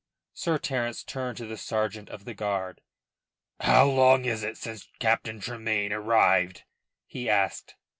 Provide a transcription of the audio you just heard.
Sir Terence turned to the sergeant of the guard, "How long is it since Captain Tremayne arrived?" he asked.